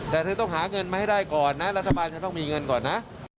แต่เธอต้องหาเงินมาให้ได้ก่อนนะรัฐบาลจะต้องมีเงินก่อนนะ